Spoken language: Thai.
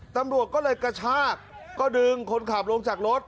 ตำรวจก็เลยกระชากก็ดึงคนขับลงจากรถ